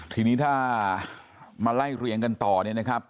ทีนี้ถ้ามาไล่เรียงกันต่อเนี่ยนะครับ